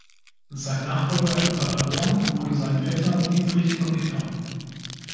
Sein Nachfolger in Paderborn wurde sein Vetter Dietrich von Itter.